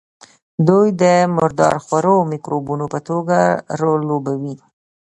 دوی د مردار خورو مکروبونو په توګه رول لوبوي.